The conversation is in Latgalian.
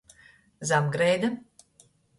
Zamgreida.